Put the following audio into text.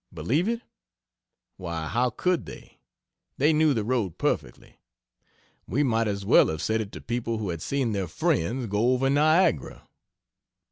Believe it? Why how could they? They knew the road perfectly. We might as well have said it to people who had seen their friends go over Niagara.